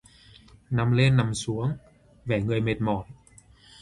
Nằm lên nằm xuống, vẻ người mệt mỏi